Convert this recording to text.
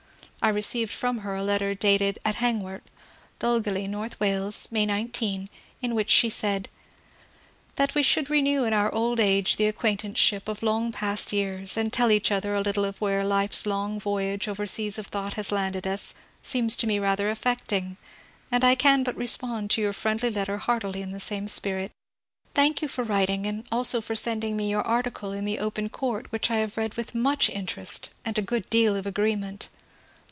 I received from her a letter dated at Heng^wrt, Dolgelley, N. Wales, May 19, in which she said :— That we should renew in our old age the acquaintance ship of long past years, and tell each other a little of where Life's long voyage over the seas of thought has landed us, seems to me rather affecting, and I can but respond to your friendly letter heartily in the same spirit. Thank you for writ ing and also for sending me your article in " The Open Court," which I have read with much interest and a good deal of agreement.